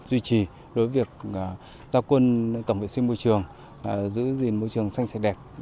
duy trì đối với việc giao quân tổng vệ sinh môi trường giữ gìn môi trường xanh sạch đẹp